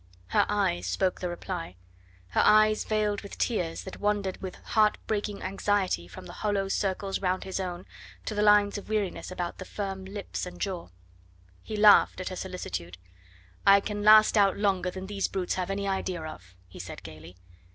Her eyes spoke the reply; her eyes veiled with tears, that wandered with heart breaking anxiety from the hollow circles round his own to the lines of weariness about the firm lips and jaw. He laughed at her solicitude. "I can last out longer than these brutes have any idea of," he said gaily.